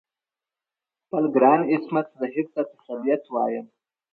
خپل ګران عصمت زهیر ته تسلیت وایم.